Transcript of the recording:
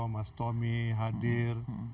mas tomi hadir